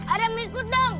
adam ikut dong